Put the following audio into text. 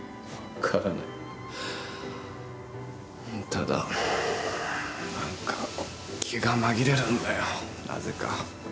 ただ、なんか気がまぎれるんだよなぜか。